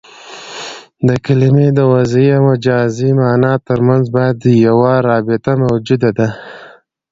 د کلمې د وضعي او مجازي مانا ترمنځ باید یوه رابطه موجوده يي.